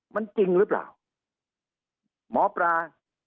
มันจริงหรือเปล่าหมอปลา